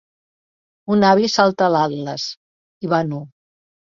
Un avi salta l'atlas, i va nu.